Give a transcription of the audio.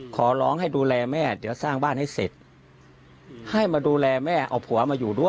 บ้านหลังนี้สร้างเสร็จผมจะเป็นคนถือก้นแจคนเดียว